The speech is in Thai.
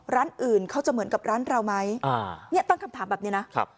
ร้านอื่นเขาจะเหมือนกับร้านเราไหมอ่าเนี่ยตั้งคำถามแบบนี้นะครับ